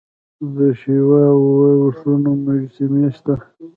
د شیوا او وشنو مجسمې شته